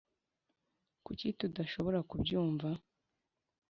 kuki tudashobora kubyumva.